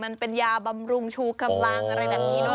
มันเป็นยาบำรุงชูกำลังอะไรแบบนี้เนอ